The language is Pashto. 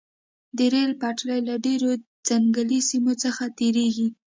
د ریل پټلۍ له ډیرو ځنګلي سیمو څخه تیریږي